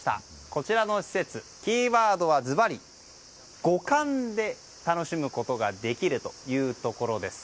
こちらの施設キーワードはずばり五感で楽しむことができるというところです。